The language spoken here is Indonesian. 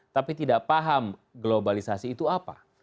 tapi tidak paham globalisasi itu apa